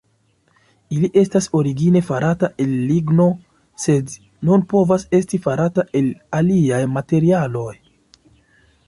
Ili estas origine farata el ligno, sed nun povas esti farata el aliaj materialoj.